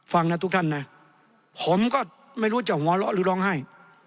ฟังนะทุกท่านนะผมก็ไม่รู้จะหัวเราะหรือร้องไห้